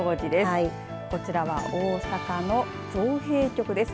はい、こちらは大阪の造幣局です。